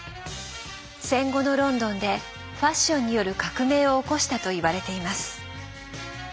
戦後のロンドンでファッションによる革命を起こしたといわれています。